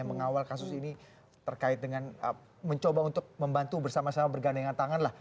mengawal kasus ini terkait dengan mencoba untuk membantu bersama sama bergandengan tangan lah